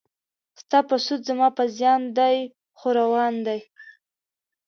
ستا په سود زما په زیان دی خو روان دی.